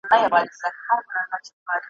راته وساته ګلونه د نارنجو امېلونه `